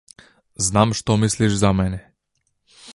Знам што мислиш за мене.